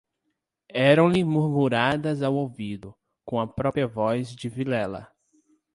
Eram-lhe murmuradas ao ouvido, com a própria voz de Vilela.